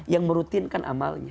yang merutinkan amalannya